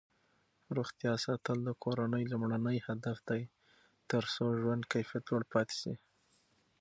روغتیا ساتل د کورنۍ لومړنی هدف دی ترڅو ژوند کیفیت لوړ پاتې شي.